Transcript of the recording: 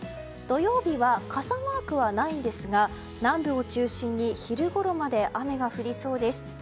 土曜日は傘マークはないんですが南部を中心に昼ごろまで雨が降りそうです。